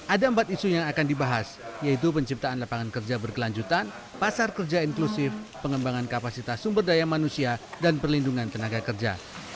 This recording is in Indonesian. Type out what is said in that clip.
ada empat isu yang akan dibahas yaitu penciptaan lapangan kerja berkelanjutan pasar kerja inklusif pengembangan kapasitas sumber daya manusia dan perlindungan tenaga kerja